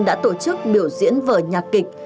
đã tổ chức biểu diễn vở nhạc kịch